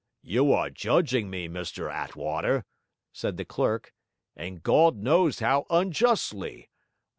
'You are judging me, Mr Attwater,' said the clerk, 'and God knows how unjustly!